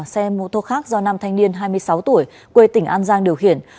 xe mô tô khác do nam thanh niên hai mươi sáu tuổi quê tỉnh an giang điều khiển